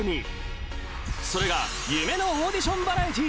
それが夢のオーディションバラエティー。